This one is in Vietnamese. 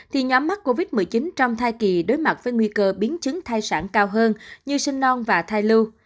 thì nhóm mắc covid một mươi chín trong thai kỳ đối mặt với nguy cơ biến chứng thai sản cao hơn như sinh non và thai lưu